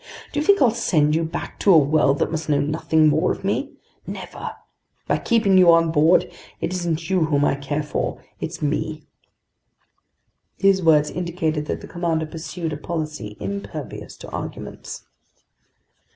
Do you think I'll send you back to a world that must know nothing more of me? Never! By keeping you on board, it isn't you whom I care for, it's me!" These words indicated that the commander pursued a policy impervious to arguments.